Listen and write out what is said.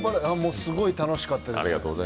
すごい楽しかったです。